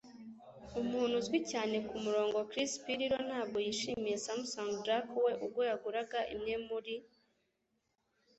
Umuntu uzwi cyane kumurongo Chris Pirillo ntabwo yishimiye Samsung Jack we ubwo yaguraga imwe muri .